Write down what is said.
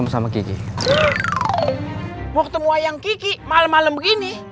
masandi ngapain malem disini